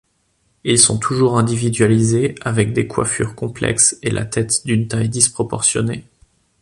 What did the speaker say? Ils sont toujours individualisés, avec des coiffures complexes et la tête d'une taille disproportionnée.